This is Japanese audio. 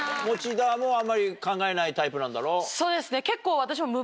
そうですね結構。